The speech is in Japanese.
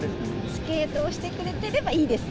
スケートをしてくれてればいいです。